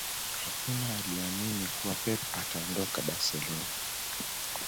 Hakuna aliyeamini kuwa Pep ataondoka Barcelona